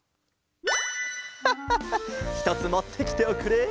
ハッハッハひとつもってきておくれ。